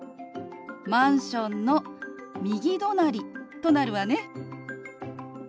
「マンションの右隣」となるわね。